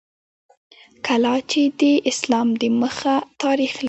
کلا چې د اسلام د مخه تاریخ لري